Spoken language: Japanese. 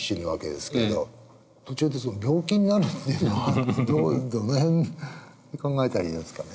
途中で病気になるっていうのはどういうどの辺で考えたらいいですかね？